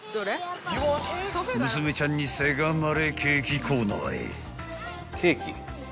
［娘ちゃんにせがまれケーキコーナーへ］